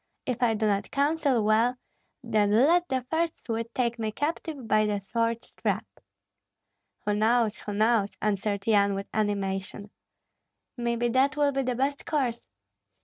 If I do not counsel well, then let the first Swede take me captive by the sword strap." "Who knows, who knows?" answered Yan, with animation. "Maybe that will be the best course."